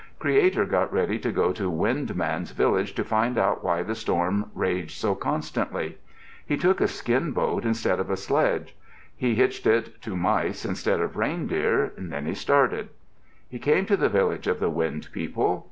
Creator got ready to go to Wind Man's village to find out why the storm raged so constantly. He took a skin boat instead of a sledge. He hitched to it mice instead of reindeer. Then he started. He came to the village of the Wind People.